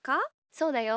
そうだよ。